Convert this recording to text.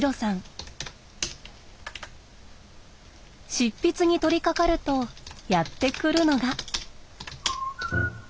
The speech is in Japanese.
執筆に取りかかるとやって来るのが。